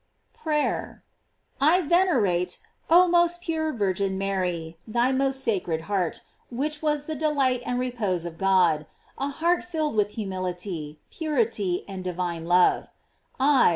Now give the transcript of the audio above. PRAYER. I venerate, oh most pure Virgin Mary, thy most sacred heart, which was the delight and repose of God ; a heart filled with humility, purity, and divine love.